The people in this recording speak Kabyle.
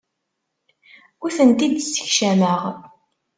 Ur tent-id-ssekcameɣ.